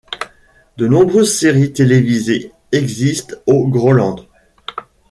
De nombreuses séries télévisées existent au Groland.